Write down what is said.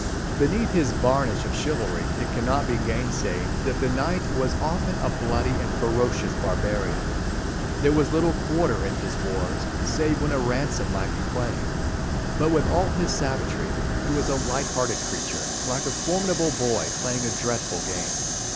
Beneath his varnish of chivalry, it cannot be gainsayed that the knight was often a bloody and ferocious barbarian. There was little quarter in his wars, save when a ransom might be claimed. But with all his savagery, he was a light hearted creature, like a formidable boy playing a dreadful game.